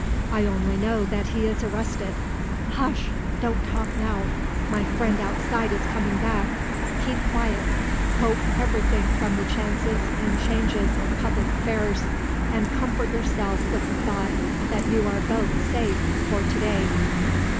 I only know that he is arrested. Hush! don't talk now; my friend outside is coming back. Keep quiet hope everything from the chances and changes of public affairs; and comfort yourself with the thought that you are both safe for to day."